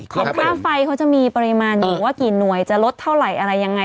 ค่าไฟเขาจะมีปริมาณอยู่ว่ากี่หน่วยจะลดเท่าไหร่อะไรยังไง